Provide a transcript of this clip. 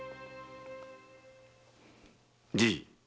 じい。